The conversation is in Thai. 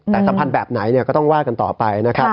แต่สัมพันธ์แบบไหนก็ต้องว่ากันต่อไปนะครับ